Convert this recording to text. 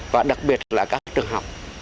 và đặc biệt là các trường học